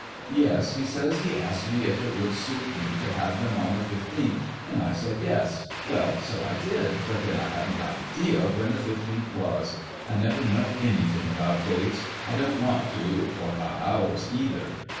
Yes, he says he asked me if it would suit me to have them on the fifteenth, and I said yes. Well, so I did, but then I hadn't an idea when the fifteenth was. I never know anything about dates. I don't want to, or about hours either.